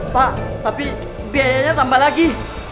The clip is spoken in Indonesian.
pak tapi biayanya tambah lagi